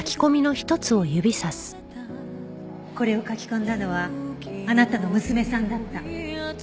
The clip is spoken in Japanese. これを書き込んだのはあなたの娘さんだった。